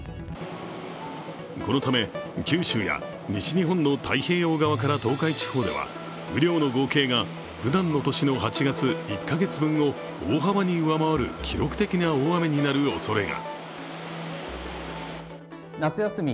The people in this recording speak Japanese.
このため九州や西日本の太平洋側から東海地方では雨量の合計がふだんの年の８月１か月分を大幅に上回る記録的な大雨になるおそれが。